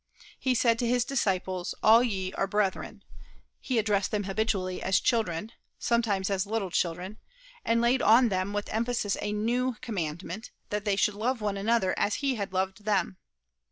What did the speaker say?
He said to his disciples, "All ye are brethren;" he addressed them habitually as "children," sometimes as "little children," and laid on them with emphasis a new commandment, that they should love one another as he had loved them.